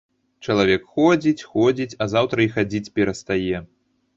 Чалавек ходзіць-ходзіць, а заўтра і хадзіць перастае.